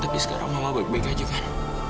tapi sekarang mama baik baik aja sekarang